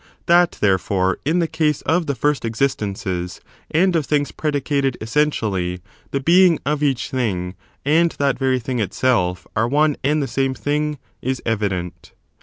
That, therefore, in the case of the first existences, and of things predicated essentially, the being of each thing, and that very thing itself, are one and the same thing is evident.